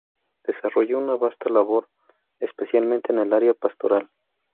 Desarrolló una vasta labor, especialmente en el área pastoral.